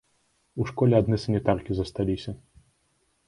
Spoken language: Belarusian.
У школе адны санітаркі засталіся.